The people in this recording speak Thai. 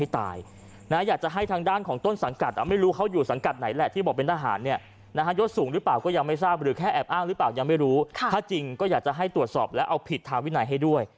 ถ้าจริงก็อยากจะให้ตรวจสอบและเอาผิดถามวินัยให้ด้วย